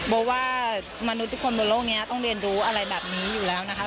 โบว่ามนุษย์ทุกคนบนโลกนี้ต้องเรียนรู้อะไรแบบนี้อยู่แล้วนะคะ